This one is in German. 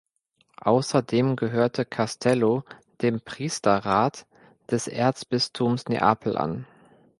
Außerdem gehörte Castello dem Priesterrat des Erzbistums Neapel an.